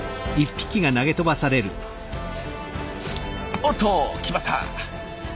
おっと決まった！